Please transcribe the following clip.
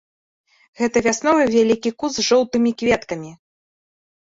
Гэта вясновы вялікі куст з жоўтымі кветкамі.